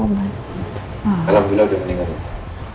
alhamdulillah udah meningan